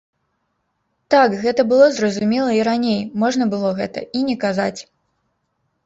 Так, гэта было зразумела і раней, можна было гэта і не казаць!